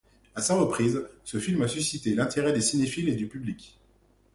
À sa reprise, ce film a suscité l'intérêt des cinéphiles et du public.